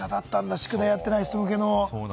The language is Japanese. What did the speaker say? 宿題やってない人向けの。